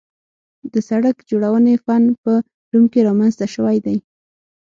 د سړک جوړونې فن په روم کې رامنځته شوی دی